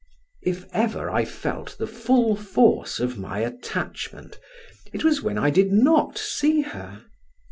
If ever I felt the full force of my attachment, it was when I did not see her.